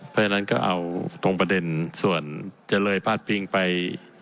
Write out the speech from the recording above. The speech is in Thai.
เพราะฉะนั้นก็เอาตรงประเด็นส่วนจะเลยพาดพิงไป